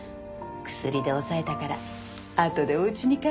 薬で抑えたからあとでおうちに帰れるよ。